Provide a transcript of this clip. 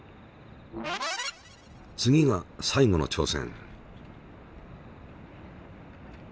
次が最後の挑戦。